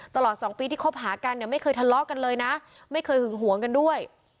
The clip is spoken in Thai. ตลอด๒ปีที่คบหากันเนี่ยไม่เคยทะเลาะกันเลยนะไม่เคยหึงหวงกันด้วย